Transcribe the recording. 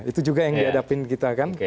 itu juga yang dihadapin kita kan